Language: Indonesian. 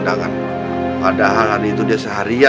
yang bener bari